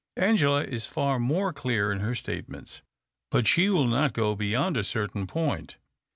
Angela is fax more clear in her statements, but she will not go beyond a certain point.